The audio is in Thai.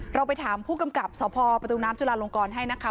เราไปถามผู้กำกับสพประตูน้ำจุลาลงกรให้นะคะ